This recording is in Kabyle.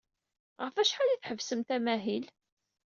Ɣef wacḥal ay tḥebbsemt amahil?